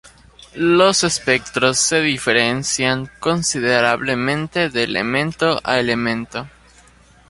Los espectros se diferencian considerablemente de elemento a elemento.